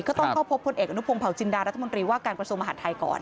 ก็ต้องเข้าพบพลเอกอนุพงศาวจินดารัฐมนตรีว่าการกระทรวงมหาดไทยก่อน